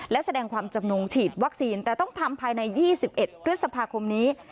และแสดงความจำนงฉีดวัคซีนแต่ต้องทำภายใน๒๑พฤษภาคมนี้